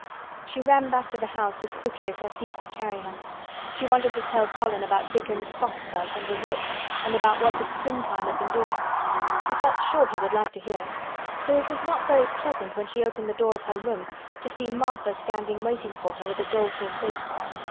She ran back to the house as quickly as her feet would carry her. She wanted to tell Colin about Dickon's fox cub and the rook and about what the springtime had been doing. She felt sure he would like to hear. So it was not very pleasant when she opened the door of her room, to see Martha standing waiting for her with a doleful face.